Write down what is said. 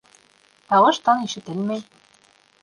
Тауыш-тын ишетелмәй.